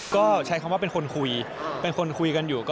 ก็ใช้คำว่าเป็นคนคุยเป็นคนคุยกันอยู่